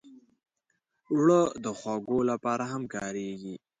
اوړه د خوږو لپاره هم کارېږي